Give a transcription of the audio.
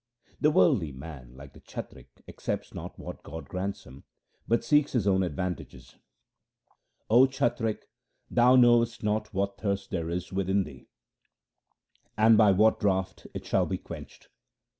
The worldly man, like the chatrik, accepts not what God grants him, but seeks his own advan tages :— O chatrik, thou knowest not what thirst there is within thee, and by what draught it shall be quenched.